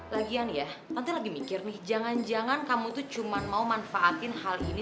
lagian ya nanti lagi mikir nih jangan jangan kamu tuh cuma mau manfaatin hal ini